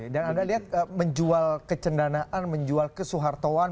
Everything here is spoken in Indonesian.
dan anda lihat menjual kecendanaan menjual ke suhartoan